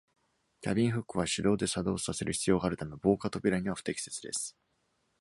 キャビンフックは手動で作動させる必要があるため、防火扉には不適切です。